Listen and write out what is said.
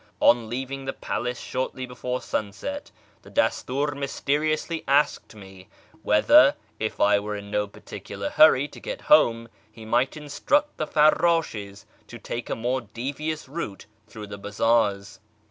On leaving the palace shortly before lunset, the Dastiir mysteriously asked me whether, if I were in no particular hurry to get home, he might instruct the farrdshes to take a more devious route through the bazaars.